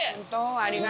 ありがとう。